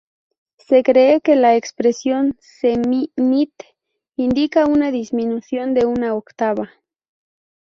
Se cree que la expresión "se·mi·nit" indica una disminución de una octava.